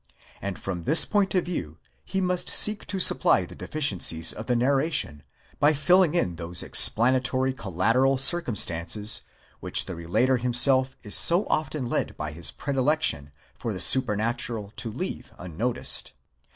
And from this point of view he must seek to supply the deficiencies of the narration, by filling in those explanatory collateral circumstances, which the relator himself is so often led by his predilection for the supernatural to leave unnoticed.